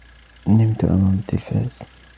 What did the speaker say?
نمتُ أمام التلفاز.